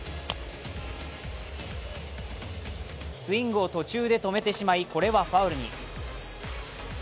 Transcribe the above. スイングを途中で止めてしまいこれはファウルに。